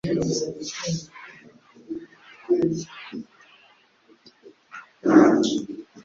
kuko uyu munsi Umukiza abavukiye mu murwa wa Dawidi, uzaba Kristo Umwami.